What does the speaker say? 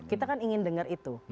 kita kan ingin dengar itu